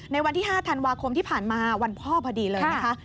วันที่๕ธันวาคมที่ผ่านมาวันพ่อพอดีเลยนะคะ